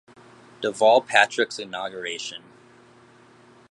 Deval Patrick's inauguration.